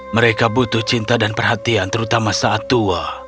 mereka butuh cinta dan perhatian terutama saat tua